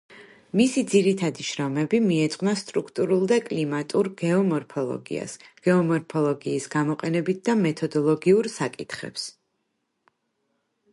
მისი ძირითადი შრომები მიეძღვნა სტრუქტურულ და კლიმატურ გეომორფოლოგიას, გეომორფოლოგიის გამოყენებით და მეთოდოლოგიურ საკითხებს.